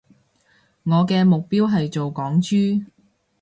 我嘅目標係做港豬